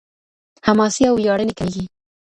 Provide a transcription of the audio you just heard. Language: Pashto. حماسي او وياړني کمېږي.